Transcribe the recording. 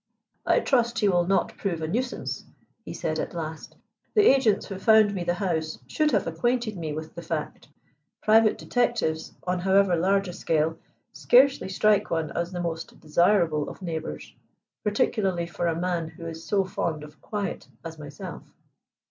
"I trust he will not prove a nuisance," he said at last. "The agents who found me the house should have acquainted me with the fact. Private detectives, on however large a scale, scarcely strike one as the most desirable of neighbors particularly for a man who is so fond of quiet as myself."